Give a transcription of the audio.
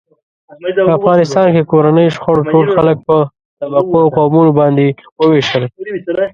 په افغانستان کې کورنیو شخړو ټول خلک په طبقو او قومونو باندې و وېشل.